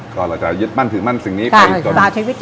ตอนเราจะมั่นถือมั่นสิ่งนี้ไปก่อน